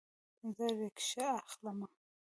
زه ریکشه اخلمه